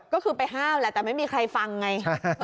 ก็คือไปห้ามแหละแต่ไม่มีใครฟังไง